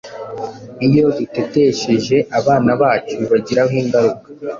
iyo dutetesheje abana bacu bibagiraho ingaruka